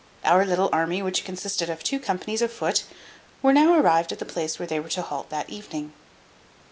Our little army, which consisted of two companies of foot, were now arrived at the place where they were to halt that evening.